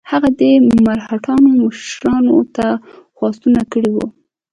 هغه د مرهټیانو مشرانو ته خواستونه کړي وه.